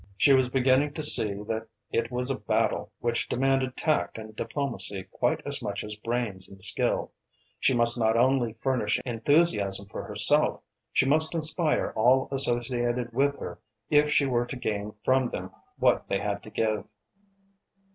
She was beginning to see that it was a battle which demanded tact and diplomacy quite as much as brains and skill. She must not only furnish enthusiasm for herself, she must inspire all associated with her if she were to gain from them what they had to give.